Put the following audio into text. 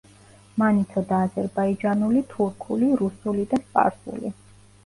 მან იცოდა აზერბაიჯანული, თურქული, რუსული და სპარსული.